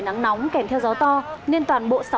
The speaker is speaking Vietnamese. nắng nóng kèm theo gió to nên toàn bộ